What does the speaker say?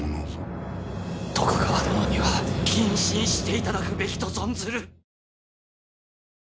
徳川殿には謹慎していただくべきと存ずる！